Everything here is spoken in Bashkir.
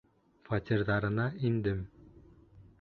Фатирҙарына индем.